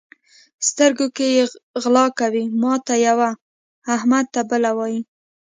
سترګو کې غلا کوي؛ ماته یوه، احمد ته بله وایي.